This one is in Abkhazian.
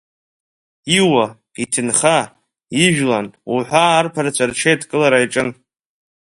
Иуа, иҭынха, ижәлантә уҳәа арԥарцәа рҽеидкылара иаҿын.